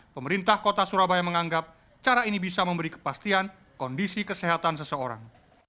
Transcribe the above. pemerintah kota surabaya menganggap cara ini bisa memberi kepastian kondisi kesehatan seseorang